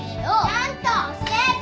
ちゃんと教えて！